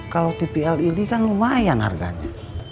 kalau tv led kan lumayan harganya